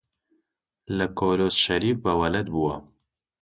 لە کۆلۆس شەریف بە وەلەد بووە